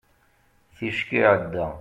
ticki iɛedda